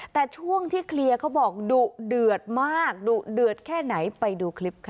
แต่ช่วงที่เคลียร์เขาบอกดุเดือดมากดุเดือดแค่ไหนไปดูคลิปค่ะ